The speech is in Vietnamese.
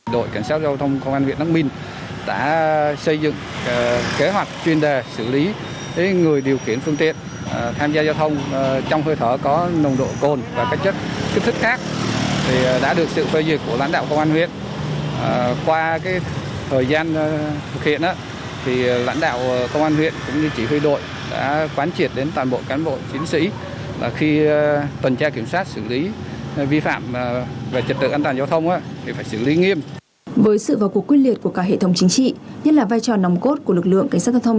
với sự vào cuộc quyết liệt của các hệ thống chính trị nhất là vai trò nòng cốt của lực lượng cảnh sát giao thông